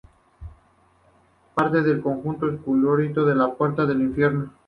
Parte del conjunto escultórico "La Puerta del Infierno".